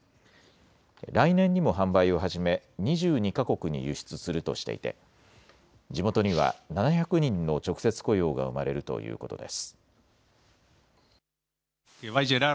来年にも販売を始め２２か国に輸出するとしていて地元には７００人の直接雇用が生まれるということです。